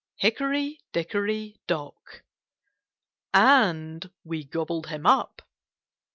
Hickory, dickory, dock.' And we gobbled him up.